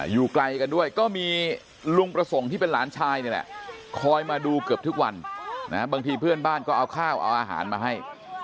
อยู่ไกลกันด้วยก็มีลุงประสงค์ที่เป็นหลานชายนี่แหละคอยมาดูเกือบทุกวันบางทีเพื่อนบ้านก็เอาข้าวเอาอาหารมาให้